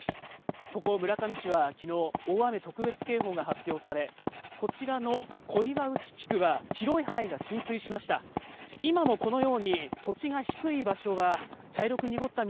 ここ村上市はきのう、大雨特別警報が発表され、こちらの小岩内地区は広い範囲が浸水しました。